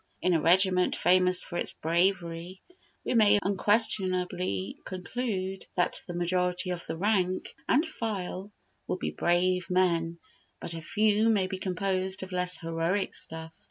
In a regiment famous for its bravery we may unquestionably conclude that the majority of the rank and file will be brave men; but a few may be composed of less heroic stuff.